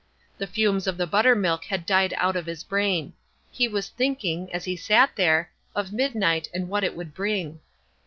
The fumes of the buttermilk had died out of his brain. He was thinking, as he sat there, of midnight and what it would bring.